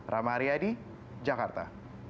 rama ariyadi jakarta